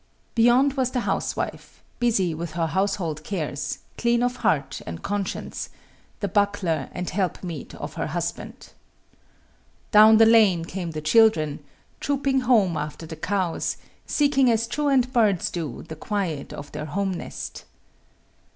Beyond was the housewife, busy with her household cares, clean of heart and conscience, the buckler and helpmeet of her husband. Down the lane came the children, trooping home after the cows, seeking as truant birds do the quiet of their home nest.